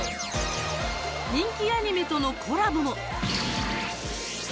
人気アニメとのコラボも。